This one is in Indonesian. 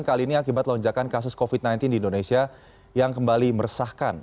kali ini akibat lonjakan kasus covid sembilan belas di indonesia yang kembali meresahkan